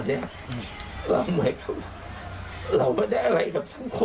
แต่บางทีก็แอบเราให้ไปก่อนค่ะ